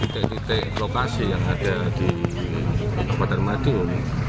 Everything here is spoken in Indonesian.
titik titik lokasi yang ada di kabupaten madiun